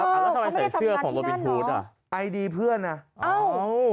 แล้วทำไมใส่เสื้อของโรบินฮูตอ่ะไอดีเพื่อนอ่ะอ้าว